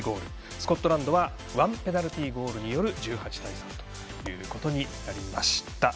スコットランドは１ペナルティーゴールによる１８対３ということになりました。